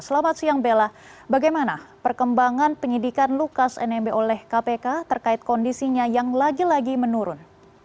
selamat siang bella bagaimana perkembangan penyidikan lukas nmb oleh kpk terkait kondisinya yang lagi lagi menurun